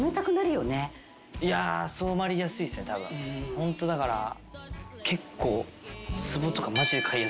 ホントだから結構。